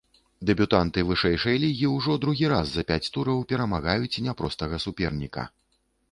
Дэбютанты вышэйшай лігі ўжо другі раз за пяць тураў перамагаюць няпростага суперніка.